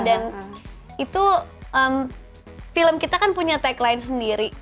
dan itu film kita kan punya tagline sendiri